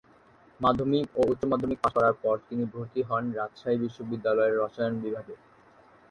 মাধ্যমিক ও উচ্চ মাধ্যমিক পাশ করার পর তিনি ভর্তি হন রাজশাহী বিশ্ববিদ্যালয়ের রসায়ন বিভাগে।